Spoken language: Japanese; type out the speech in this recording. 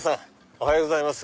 おはようございます。